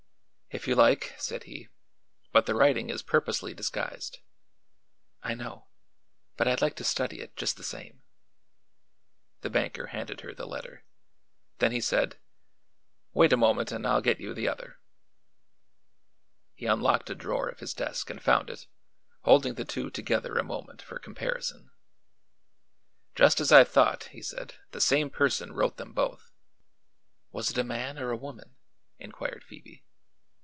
"If you like," said he; "but the writing is purposely disguised." "I know; but I'd like to study it, just the same." The banker handed her the letter. Then he said: "Wait a moment and I'll get you the other." He unlocked a drawer of his desk and found it, holding the two together a moment for comparison. "Just as I thought," he said. "The same person wrote them both." "Was it a man or a woman?" inquired Phoebe.